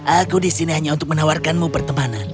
aku di sini hanya untuk menawarkanmu pertemanan